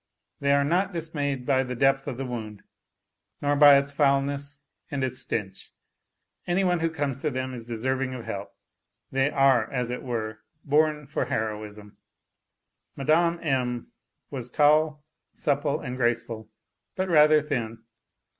They are not dismayed by the depth of the wound, nor by its foulness and its stench; any one who comes to them is deserving of help ; they are, as it were, born for heroism. ... Mme. M. was tall, supple and graceful, but rather thin.